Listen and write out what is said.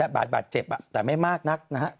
บาดเจ็บแต่ไม่มากนักนะฮะ